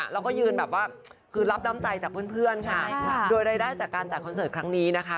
แล้วก็ยืนแบบว่าคือรับน้ำใจจากเพื่อนค่ะโดยรายได้จากการจัดคอนเสิร์ตครั้งนี้นะคะ